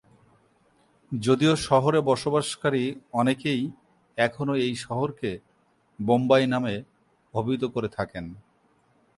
যদিও শহরে বসবাসকারী অনেকেই এখনও এই শহরকে "বোম্বাই" নামে অভিহিত করে থাকেন।